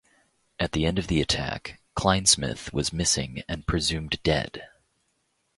At the end of the attack, Kleinsmith was missing and presumed dead.